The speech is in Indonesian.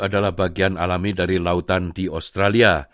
adalah bagian alami dari lautan di australia